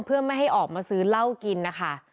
เพื่อไม่ให้ออกมาซื้อเหล้ากินนะคะ